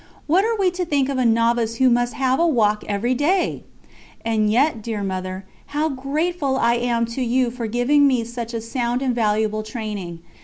What are we to think of a novice who must have a walk every day?" And yet, dear Mother, how grateful I am to you for giving me such a sound and valuable training.